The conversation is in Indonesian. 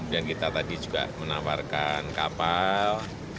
dan kita tadi juga menawarkan kapal